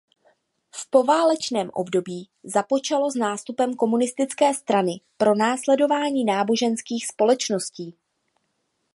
V poválečném období započalo s nástupem komunistické strany pronásledování náboženských společností.